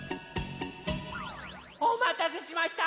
おまたせしました！